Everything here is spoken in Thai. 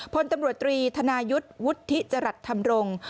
พลตำรวจตรีธนายุทธ์วุฒิจรัสธรรมรงค์